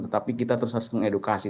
tetapi kita terus harus mengedukasi